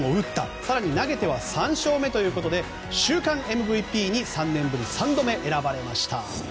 更に投げては３勝目ということで週間ＭＶＰに３勝目選ばれました。